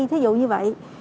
thí dụ như vậy